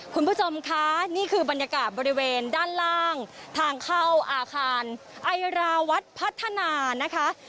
คุณผู้ชมคะนี่คือบรรยากาศบริเวณด้านล่างทางเข้าอาคารไอราวัฒน์พัฒนานะคะ